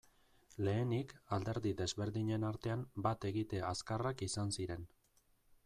Lehenik, alderdi desberdinen artean bat egite azkarrak izan ziren.